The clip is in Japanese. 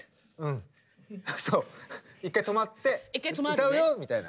１回止まって歌うよ！みたいな。